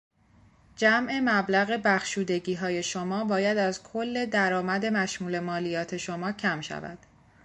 جمع مبلغ بخشودگیهای شما باید از کل درآمد مشمول مالیات شما کم شود.